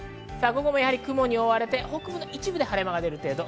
雲に覆われて、北部の一部で晴れ間が出る程度。